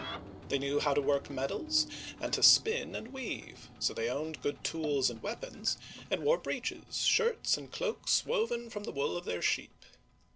They knew how to work metals, and to spin and weave, so they owned good tools and weapons, and wore breeches, shirts, and cloaks woven from the wool of their sheep.